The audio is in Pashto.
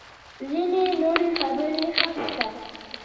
_ځينې نورې خبرې هم شته.